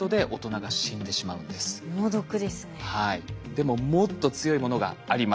でももっと強いものがあります。